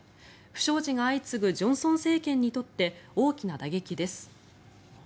不祥事が相次ぐジョンソン政権にとって大きな打撃です。